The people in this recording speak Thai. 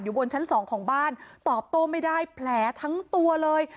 บนชั้นสองของบ้านตอบโต้ไม่ได้แผลทั้งตัวเลย